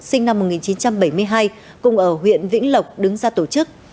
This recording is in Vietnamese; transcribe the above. sinh năm một nghìn chín trăm bảy mươi hai cùng ở huyện vĩnh lộc đứng ra tổ chức